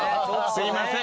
すいません。